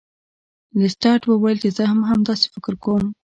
لیسټرډ وویل چې زه هم همداسې فکر کوم.